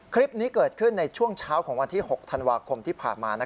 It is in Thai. คลิปนี้เกิดขึ้นในช่วงเช้าของวันที่๖ธันวาคมที่ผ่านมา